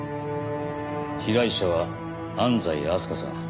被害者は安西明日香さん。